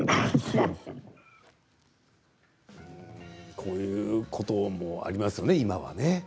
こういうこともありますね今はね。